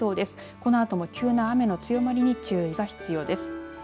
このあとも急な雨の強まりに注意が必要です。